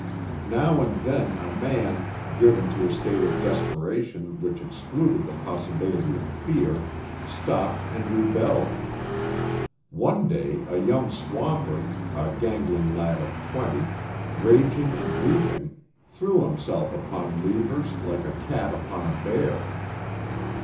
Now and then a man, driven to a state of desperation which excluded the possibility of fear, stopped and rebelled. One day a young swamper, a gangling lad of twenty, raging and weeping, threw himself upon Reivers like a cat upon a bear.